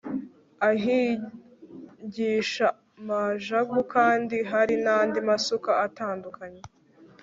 ahingisha majagu kandi hari nandi masuka atandukanye